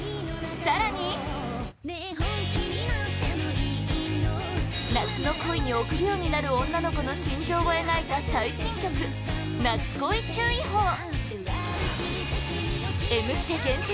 更に夏の恋に憶病になる女の子の心情を描いた最新曲「夏恋注意報」「Ｍステ」限定！